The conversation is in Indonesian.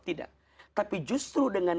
tidak tapi justru dengan